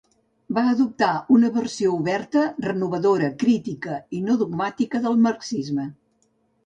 Va adoptar una versió oberta, renovadora, crítica i no dogmàtica del marxisme.